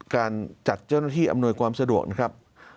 การจัดเจ้าหน้าที่อำนวยความสะดวกนะครับ